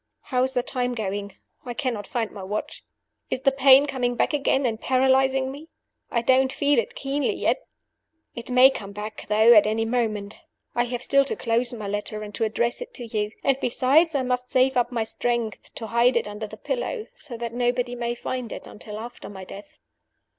"How is the time going? I cannot find my watch. Is the pain coming back again and paralyzing me? I don't feel it keenly yet. "It may come back, though, at any moment. I have still to close my letter and to address it to you. And, besides, I must save up my strength to hide it under the pillow, so that nobody may find it until after my death.